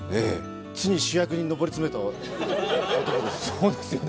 ついに主役に上り詰めた男です。